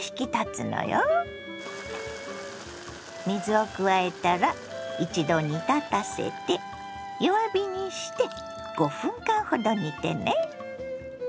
水を加えたら一度煮立たせて弱火にして５分間ほど煮てね。